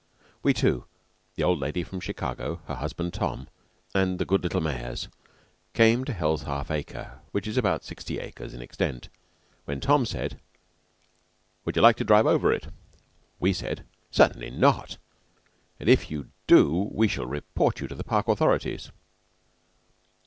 We, too, the old lady from Chicago, her husband, Tom, and the good little mares, came to Hell's Half Acre, which is about sixty acres in extent, and when Tom said: "Would you like to drive over it?" We said: "Certainly not, and if you do we shall report you to the park authorities."